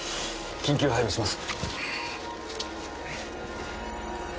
緊急配備お願いします。